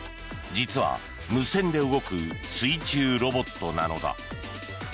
実は、無線で動く水中ロボットなのだ。